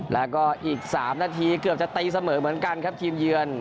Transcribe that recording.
แล้วก็อีก๓นาทีเกือบจะตีเสมอเหมือนกันครับทีมเยือน